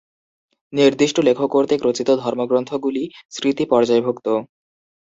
নির্দিষ্ট লেখক কর্তৃক রচিত ধর্মগ্রন্থগুলি ‘স্মৃতি’ পর্যায়ভুক্ত।